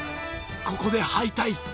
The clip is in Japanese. ここで敗退。